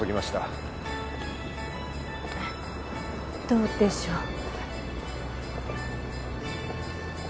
どうでしょう？